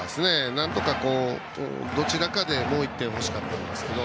なんとかどちらかで点が欲しかったんですけど。